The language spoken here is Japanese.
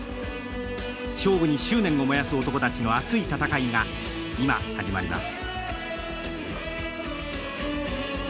勝負に執念を燃やす男たちの熱い戦いが今始まります。